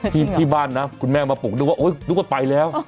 พี่บ้านน่ะคุณแม่มาปลุกนึกว่าพาไปแล้ว